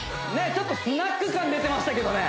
ちょっとスナック感出てましたけどね